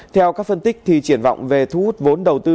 theo các phân tích triển vọng về thu hút vốn đầu tư